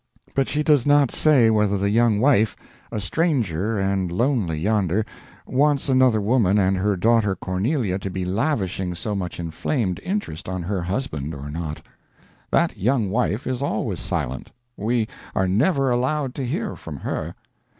But she does not say whether the young wife, a stranger and lonely yonder, wants another woman and her daughter Cornelia to be lavishing so much inflamed interest on her husband or not. That young wife is always silent we are never allowed to hear from her.